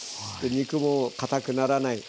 肉もかたくならない。